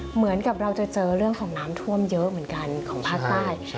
เหมือนกับเราจะเจอเรื่องของน้ำท่วมเยอะเหมือนกันของภาคใต้